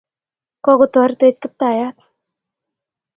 kokotoretech kiptayat